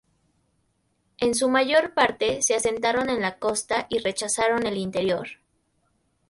En su mayor parte, se asentaron en la costa y rechazaron el interior.